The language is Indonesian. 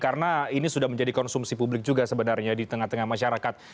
karena ini sudah menjadi konsumsi publik juga sebenarnya di tengah tengah masyarakat